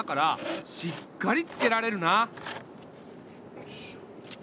よし。